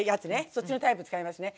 そっちのタイプ使いますね。